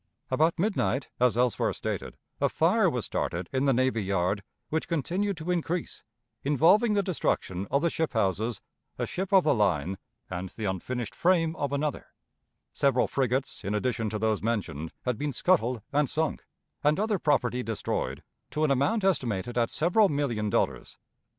About midnight, as elsewhere stated, a fire was started in the navy yard, which continued to increase, involving the destruction of the ship houses, a ship of the line, and the unfinished frame of another; several frigates, in addition to those mentioned, had been scuttled and sunk; and other property destroyed, to an amount estimated at several million dollars.